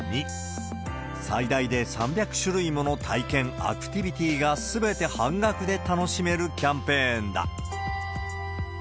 最大で３００種類もの体験、アクティビティーがすべて半額で楽しめるキャンペーンだ。